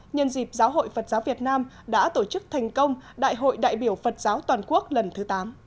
nhân dịp giáo hội phật giáo việt nam đã tổ chức thành công đại hội đại biểu phật giáo toàn quốc lần thứ tám